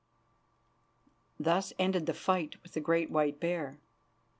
Thus ended the fight with the great white bear.